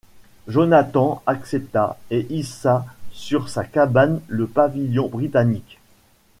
Jonathan accepta, et hissa sur sa cabane le pavillon britannique.